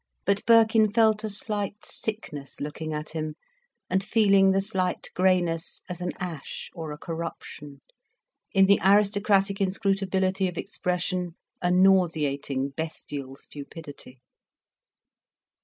But Birkin felt a slight sickness, looking at him, and feeling the slight greyness as an ash or a corruption, in the aristocratic inscrutability of expression a nauseating, bestial stupidity.